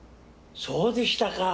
そうでしたか。